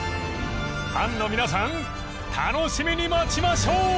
ファンの皆さん楽しみに待ちましょう！